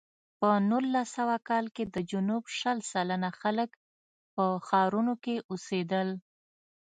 په نولس سوه کال کې د جنوب شل سلنه خلک په ښارونو کې اوسېدل.